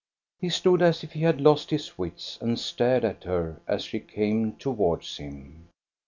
He stood as if he had lost his wits, and stared at her as she came towards him.